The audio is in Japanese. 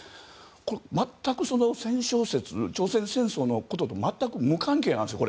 全く戦勝節、朝鮮戦争のことと無関係なんです。